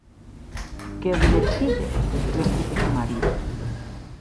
Qué voletz díder?, repliquèc Mario.